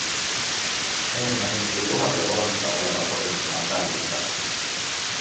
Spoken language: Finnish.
Ensinnäkin yli tuhat jo olemassa olevaa sopimusta on säilytettävä.